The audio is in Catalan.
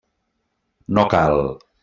No cal.